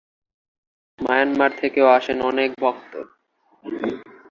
Bangladesh, Myanmar থেকেও আসেন অনেক ভক্ত।